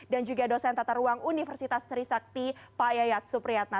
dan juga dosen tata ruang universitas trisakti pak yayat supriyatna